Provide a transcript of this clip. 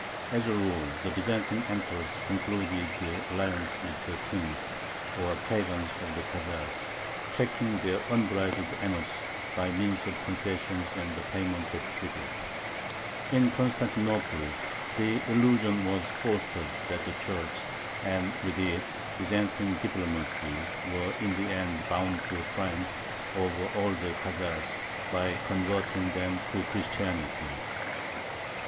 As a rule, the Byzantine emperors concluded alliances with the kings, or khagans, of the Khazars, checking their unbridled energy by means of concessions and the payment of tribute. In Constantinople the illusion was fostered that the Church, and with it Byzantine diplomacy, were in the end bound to triumph over all the Khazars by converting them to Christianity.